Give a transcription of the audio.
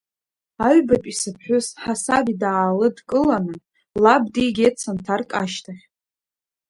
Аҩбатәи сыԥҳәыс, ҳасаби даалыдкыланы, лаб дигеит санҭарк ашьҭахь.